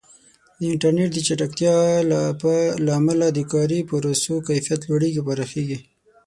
د انټرنیټ د چټکتیا له امله د کاري پروسو کیفیت لوړېږي او پراخېږي.